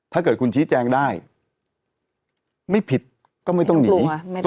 ถ้าเกิดคุณชี้แจงได้ไม่ผิดก็ไม่ต้องหนี